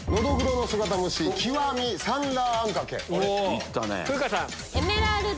いったね。